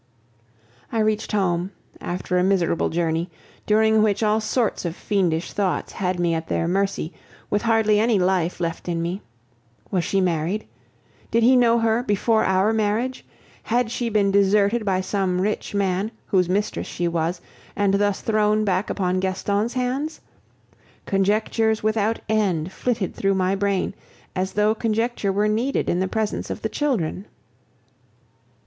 I reached home, after a miserable journey, during which all sorts of fiendish thoughts had me at their mercy, with hardly any life left in me. Was she married? Did he know her before our marriage? Had she been deserted by some rich man, whose mistress she was, and thus thrown back upon Gaston's hands? Conjectures without end flitted through my brain, as though conjecture were needed in the presence of the children.